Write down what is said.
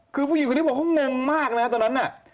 คือผู้หญิงคนนี้บอกเขางงมากนะครับตอนนั้นน่ะ